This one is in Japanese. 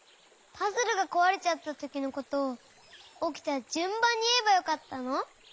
パズルがこわれちゃったときのことをおきたじゅんばんにいえばよかったの？